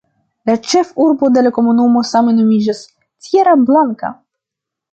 La ĉefurbo de la komunumo same nomiĝas "Tierra Blanca".